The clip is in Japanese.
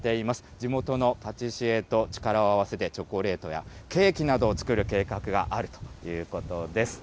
地元のパティシエと力を合わせて、チョコレートやケーキなどを作る計画があるということです。